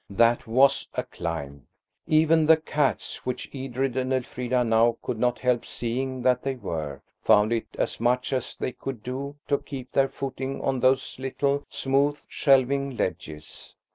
That was a climb. Even the cats, which Edred and Elfrida now could not help seeing that they were, found it as much as they could do to keep their footing on those little, smooth, shelving ledges.